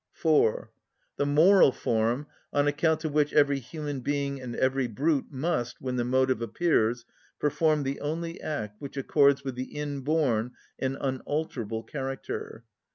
(4.) The moral form, on account of which every human being and every brute must, when the motive appears, perform the only act which accords with the inborn and unalterable character.